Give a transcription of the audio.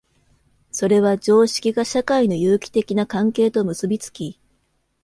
それは常識が社会の有機的な関係と結び付き、